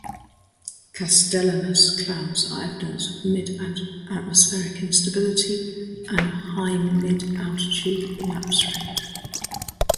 Castellanus clouds are evidence of mid-atmospheric instability and a high mid-altitude lapse rate.